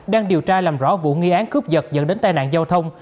đang điều tra làm rõ vụ nghi án cướp giật dẫn đến tai nạn giao thông